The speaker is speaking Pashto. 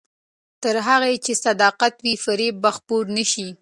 تر هغه چې صداقت وي، فریب به خپور نه شي.